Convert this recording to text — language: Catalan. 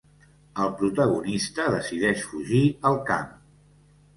El protagonista decideix fugir al camp.